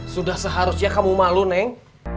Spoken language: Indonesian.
sudah seharusnya kamu malu neng